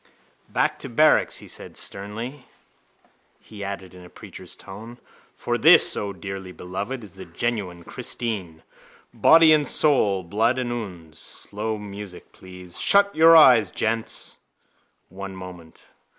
—Back to barracks! he said sternly. He added in a preacher's tone: —For this, O dearly beloved, is the genuine Christine: body and soul and blood and ouns. Slow music, please. Shut your eyes, gents. One moment.